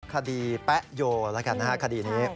คดีแป๊ะโยละกันค่ะคดีนี้